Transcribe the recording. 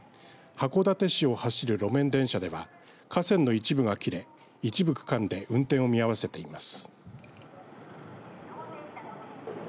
函館市を走る路面電車では架線の一部が切れ一部区間で運転を見合わせています。